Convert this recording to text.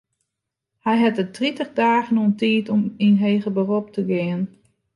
Hy hat it tritich dagen oan tiid om yn heger berop te gean.